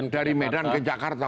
dari medan ke jakarta